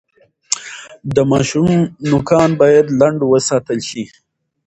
د ماشوم نوکان باید لنډ وساتل شي۔